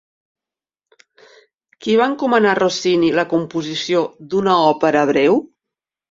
Qui va encomanar a Rossini la composició d'una òpera breu?